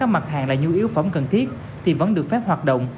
các hội dân đưa ra là đóng cửa hạn là nhu yếu phẩm cần thiết thì vẫn được phép hoạt động